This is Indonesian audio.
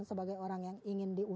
sebagai orang yang ingin diulang